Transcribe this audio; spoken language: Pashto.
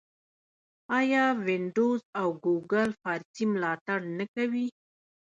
آیا وینډوز او ګوګل فارسي ملاتړ نه کوي؟